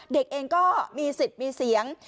เด็กเองก็มีสิทธิ์มีเสียง